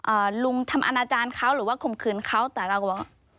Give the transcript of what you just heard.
ลุงทำอนาจารย์เขาหรือว่าข่มขืนเขาแต่เราก็บอก